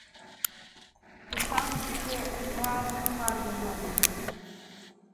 Тушан витле утла коммунар верланен.